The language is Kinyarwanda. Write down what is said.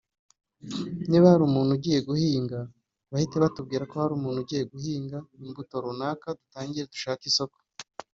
niba umuntu agiye guhinga bahite batubwira ko hari umuntu ugiye guhinga imbuto runaka dutangire dushake isoko”